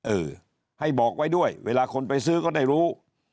เออให้บอกไว้ด้วยเวลาคนไปซื้อก็ได้รู้